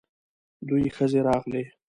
دوې ښځې راغلې.